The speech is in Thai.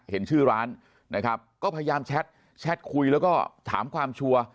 เห็นชื่อร้านนะครับก็พยายามแชทคุยแล้วก็ถามความชัวร์